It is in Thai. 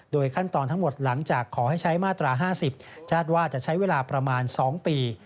ขั้นตอนทั้งหมดหลังจากขอให้ใช้มาตรา๕๐คาดว่าจะใช้เวลาประมาณ๒ปี